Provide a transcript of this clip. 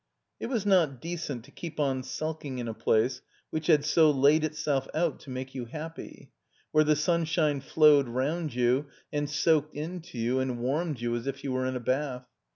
It was not decent to keep on sulking in a place which had so laid itself out to make you happy; where the sunshine flowed rotmd you and soaked into you and warmed you as if you were in a bath.